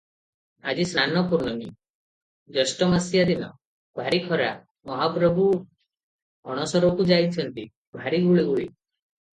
ଆଜି ସ୍ନାନ ପୂର୍ଣ୍ଣୀମା, ଜ୍ୟେଷ୍ଠମାସିଆ ଦିନ, ଭାରୀ ଖରା, ମହାପ୍ରଭୁ ଅଣସରକୁ ଯାଇଛନ୍ତି, ଭାରୀ ଗୁଳୁଗୁଳି ।